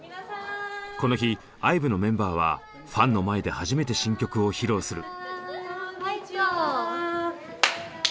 この日ＩＶＥのメンバーはファンの前で初めて新曲を披露する。